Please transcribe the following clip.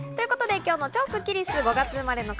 今日の超スッキりすは５月生まれの方。